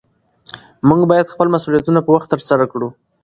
موږ باید خپل مسؤلیتونه په وخت ترسره کړو